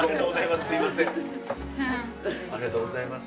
ありがとうございます。